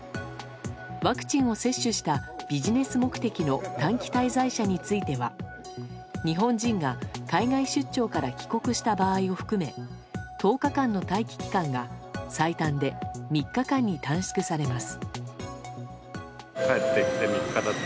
ワクチンを接種したビジネス目的の短期滞在者については日本人が海外出張から帰国した場合を含め１０日間の待機期間が最短で３日間に短縮されます。